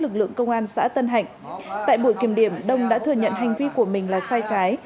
lực lượng công an xã tân hạnh tại buổi kiểm điểm đông đã thừa nhận hành vi của mình là sai trái